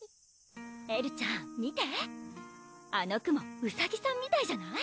エルちゃん見てあの雲うさぎさんみたいじゃない？